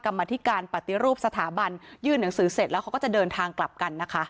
กรรมธิการปฏิรูปสถาบันยื่นหนังสือเสร็จแล้วเขาก็จะเดินทางกลับกันนะคะ